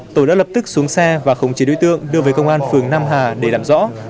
tổ đã lập tức xuống xe và khống chế đối tượng đưa về công an phường nam hà để làm rõ